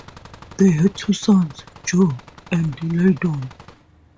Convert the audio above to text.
They had two sons, Joe and Lyndon.